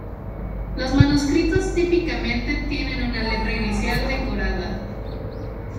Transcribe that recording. Los manuscritos típicamente tienen una letra inicial decorada.